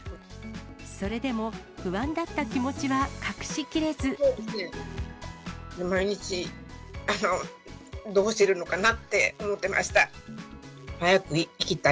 それでも、不安だった気持ち毎日、どうしているのかなって思ってました。